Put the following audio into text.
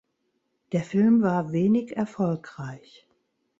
Der Film war wenig erfolgreich.